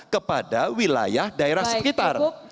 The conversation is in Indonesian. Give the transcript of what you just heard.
kepada wilayah daerah sekitar